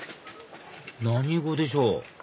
何語でしょう？